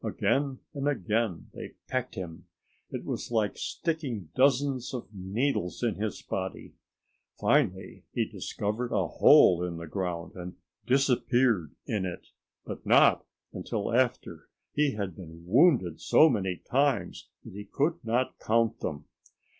Again and again they pecked him. It was like sticking dozens of needles in his body. Finally he discovered a hole in the ground, and disappeared in it, but not until after he had been wounded so many times that he could not count them.